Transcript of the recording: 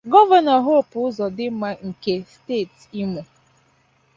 Gọvanọ Hope Uzodimma nke steeti Imo